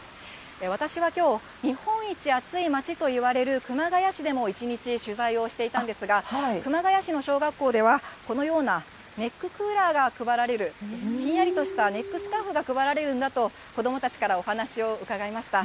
私はきょう、日本一熱い町といわれる、熊谷市でも一日取材をしていたんですが、熊谷市の小学校では、このようなネッククーラーが配られる、ひんやりとしたネックスカーフが配られるんだと、子どもたちからお話を伺いました。